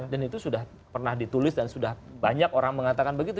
dan itu sudah pernah ditulis dan sudah banyak orang mengatakan begitu